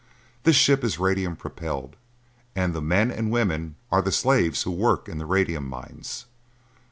This ship is radium propelled, and the men and women are the slaves who work in the radium mines.